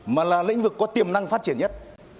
mà là lĩnh vực có tiềm năng phát triển nhất